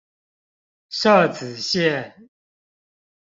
社子線